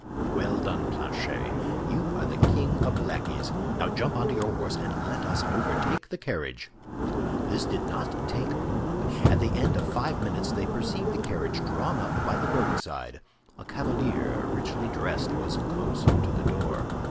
"Well done, Planchet! you are the king of lackeys. Now jump onto your horse, and let us overtake the carriage." This did not take long. At the end of five minutes they perceived the carriage drawn up by the roadside; a cavalier, richly dressed, was close to the door.